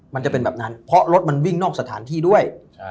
มันจะเป็นแบบนั้นเพราะรถมันวิ่งนอกสถานที่ด้วย